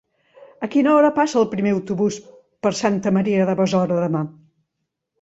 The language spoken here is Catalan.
A quina hora passa el primer autobús per Santa Maria de Besora demà?